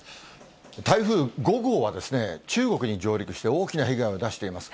台風５号はですね、中国に上陸して大きな被害を出しています。